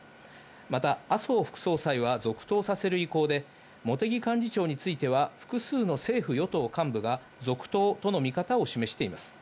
また麻生副総裁は続投させる意向で、茂木幹事長については複数の政府・与党幹部が続投との見方を示しています。